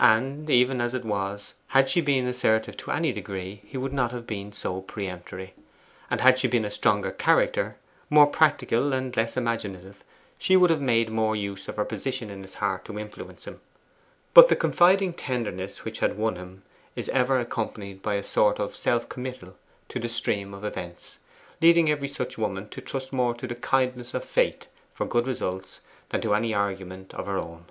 And, even as it was, had she been assertive to any degree he would not have been so peremptory; and had she been a stronger character more practical and less imaginative she would have made more use of her position in his heart to influence him. But the confiding tenderness which had won him is ever accompanied by a sort of self committal to the stream of events, leading every such woman to trust more to the kindness of fate for good results than to any argument of her own.